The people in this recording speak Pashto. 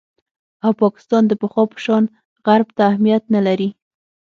او پاکستان د پخوا په شان غرب ته اهمیت نه لري